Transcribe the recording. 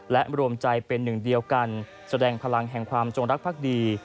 และรวมใจเป็นหนึ่งเดียวกันแสดงพลังแห่งความจงรักภักดี